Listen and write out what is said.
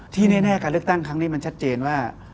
แน่การเลือกตั้งครั้งนี้มันชัดเจนว่า